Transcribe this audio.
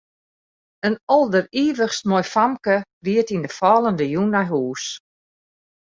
In alderivichst moai famke ried yn 'e fallende jûn nei hûs.